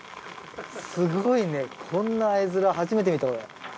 すごいねこんな絵面初めて見た俺。